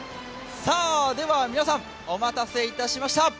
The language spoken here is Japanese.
では、皆さん、お待たせいたしました。